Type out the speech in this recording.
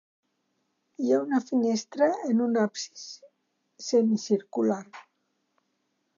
Hi ha una finestra en un absis semicircular.